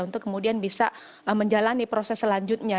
untuk kemudian bisa menjalani proses selanjutnya